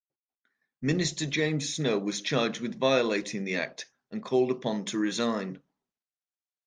Minister James Snow was charged with violating the act, and called upon to resign.